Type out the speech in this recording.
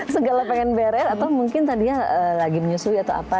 segala pengen beres atau mungkin tadinya lagi menyusui atau apa